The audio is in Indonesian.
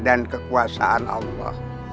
dan kekuasaan allah